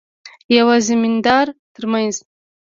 یوه زمیندار ترمنځ.